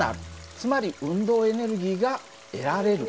つまり運動エネルギーが得られる。